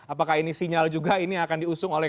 apakah ini sinyal juga ini akan diusung oleh